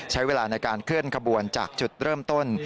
ใช้เวลาในการเคลื่อนขบวนจากจุดเริ่มต้น